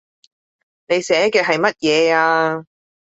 你寫嘅係乜嘢呀